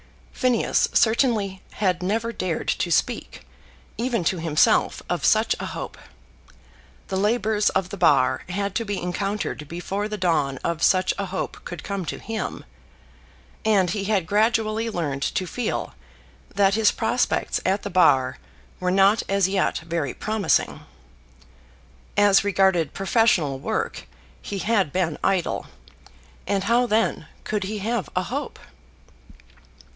Phineas certainly had never dared to speak, even to himself, of such a hope. The labours of the Bar had to be encountered before the dawn of such a hope could come to him. And he had gradually learned to feel that his prospects at the Bar were not as yet very promising. As regarded professional work he had been idle, and how then could he have a hope?